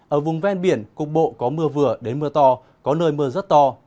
ở vùng ven biển cục bộ có mưa vừa đến mưa to có nơi mưa rất to